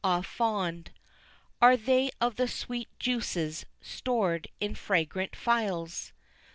Ah, fond Are they of the sweet juices stored in fragrant phials!